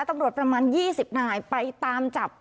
ตำรวจประมาณ๒๐นายไปตามจับ